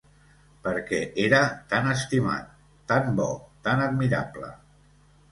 Perquè era tan estimat, tan bo, tan admirable.